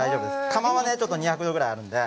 釜は２００度ぐらいあるので。